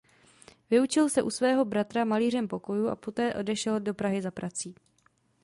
Vyučil se u svého bratra malířem pokojů a poté odešel do Prahy za prací.